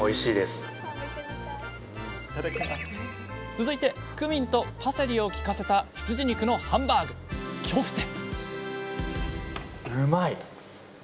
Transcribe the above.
続いてクミンとパセリをきかせた羊肉のハンバーグ「キョフテ」